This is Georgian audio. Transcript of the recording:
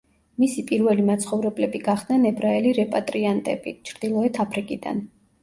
მისი პირველი მაცხოვრებლები გახდნენ ებრაელი რეპატრიანტები ჩრდილოეთ აფრიკიდან.